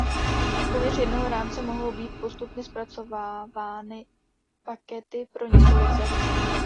Uvnitř jednoho rámce mohou být postupně zpracovávány pakety pro několik zařízení.